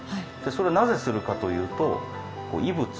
それをなぜするかというと異物。